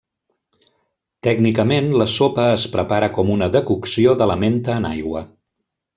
Tècnicament la sopa es prepara com una decocció de la menta en aigua.